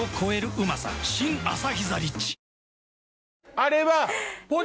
あれは。